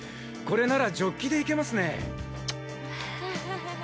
これならジョッキでいけますね！